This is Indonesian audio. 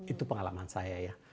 itu pengalaman saya ya